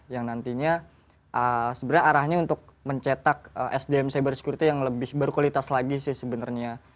yang nantinya sebenarnya arahnya untuk mencetak sdm cyber security yang lebih berkualitas lagi sih sebenarnya